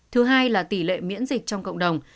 thứ hai là tỷ lệ miễn dịch trong cộng đồng